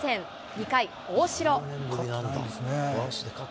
２回、大城。